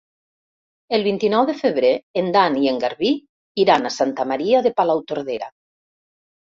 El vint-i-nou de febrer en Dan i en Garbí iran a Santa Maria de Palautordera.